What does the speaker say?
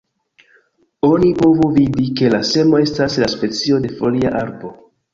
Oni povu vidi, ke la semo estas de specio de folia arbo.